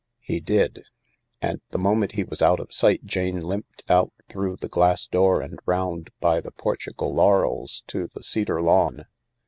He did. And t~e moment he was out 6i sight Jane limped out through the glass door and round by the Portugal laurels to the cedar lawn.